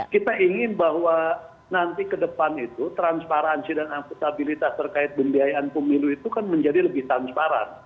kita ingin bahwa nanti ke depan itu transparansi dan akuntabilitas terkait pembiayaan pemilu itu kan menjadi lebih transparan